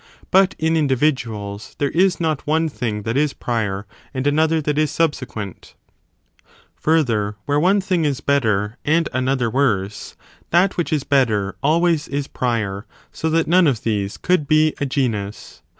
But in individuals there is not one thing that is prior, and another that is subsequent. Further, whe^One thing is better and another worse, that which always is prior; so that none of these could be Lus.